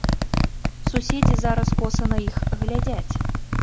Суседзі зараз коса на іх глядзяць.